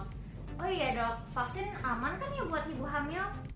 oh iya dok vaksin aman kan ya buat ibu hamil